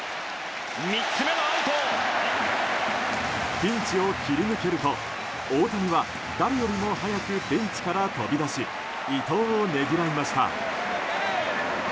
ピンチを切り抜けると大谷は誰よりも早くベンチから飛び出し伊藤をねぎらいました。